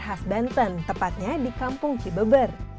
terhas banten tepatnya di kampung cibabel